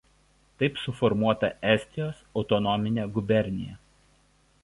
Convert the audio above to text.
Taip suformuota Estijos autonominė gubernija.